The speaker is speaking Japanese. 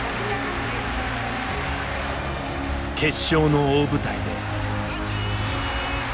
決勝の大舞台で。